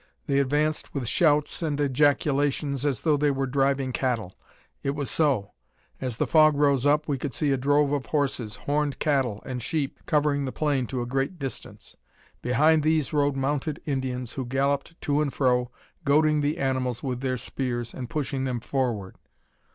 They advanced with shouts and ejaculations, as though they were driving cattle. It was so. As the fog rose up, we could see a drove of horses, horned cattle, and sheep, covering the plain to a great distance. Behind these rode mounted Indians, who galloped to and fro, goading the animals with their spears, and pushing them forward.